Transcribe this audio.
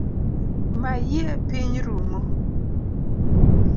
Mayie piny rumo